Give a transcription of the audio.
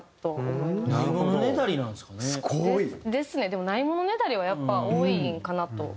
でもないものねだりはやっぱ多いんかなと。